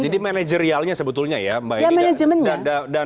jadi manajerialnya sebetulnya ya mbak elinda